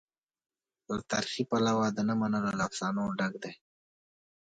له تاریخي پلوه د نه منلو له افسانو ډک دی.